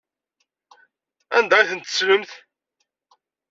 Anda ay ten-tettlemt?